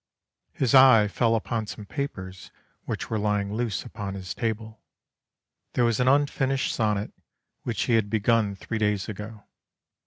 His eye fell upon some papers which were lying loose upon his table. There was an unfinished sonnet which he had begun three days ago.